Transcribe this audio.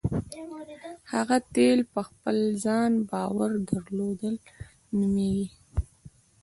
هغه تیل په خپل ځان باور درلودل نومېږي.